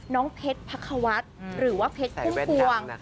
น้องเพชพระควัสย์หรือเพชภูมิปวง